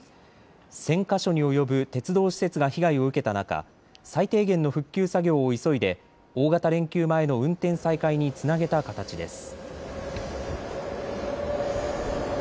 １０００か所に及ぶ鉄道施設が被害を受けた中、最低限の復旧作業を急いで大型連休前の運転再開につなげた形です。